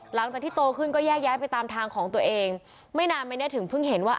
หลังจากที่โตขึ้นก็แยกย้ายไปตามทางของตัวเองไม่นานไปเนี้ยถึงเพิ่งเห็นว่า